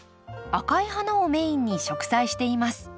赤い花をメインに植栽しています。